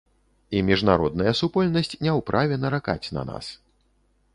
І міжнародная супольнасць не ў праве наракаць на нас.